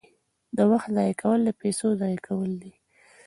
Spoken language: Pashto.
د وخت ضایع کول د پیسو ضایع کول دي.